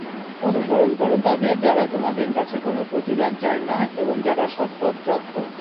অনুসরণ কর তাদের যারা তোমাদের কাছে কোন প্রতিদান চায় না এবং যারা সৎপথ প্রাপ্ত।